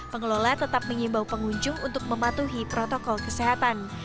pengelola tetap mengimbau pengunjung untuk mematuhi protokol kesehatan